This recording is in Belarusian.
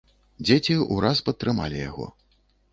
Дзеці ўраз падтрымалі яго.